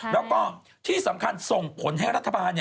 แล้วก็ที่สำคัญส่งผลให้รัฐบาล